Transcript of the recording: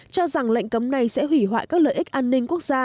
cho rằng lệnh cấm này sẽ hủy hoại các lợi ích an ninh quốc gia